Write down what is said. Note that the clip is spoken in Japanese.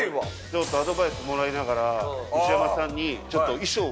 ちょっとアドバイスもらいながら西山さんにちょっと衣装を。